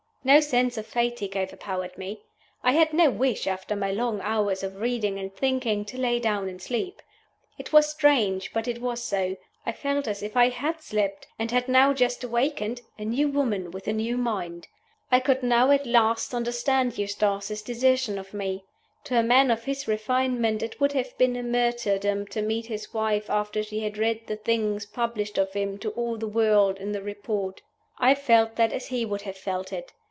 No sense of fatigue overpowered me. I had no wish, after my long hours of reading and thinking, to lie down and sleep. It was strange, but it was so. I felt as if I had slept, and had now just awakened a new woman, with a new mind. I could now at last understand Eustace's desertion of me. To a man of his refinement it would have been a martyrdom to meet his wife after she had read the things published of him to all the world in the Report. I felt that as he would have felt it.